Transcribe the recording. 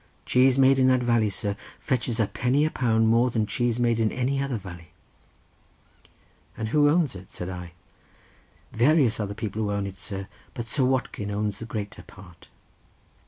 Cheese made in that valley, sir, fetches a penny a pound more than cheese made in any other valley." "And who owns it?" said I. "Various are the people who own it, sir, but Sir Watkin owns the greater part."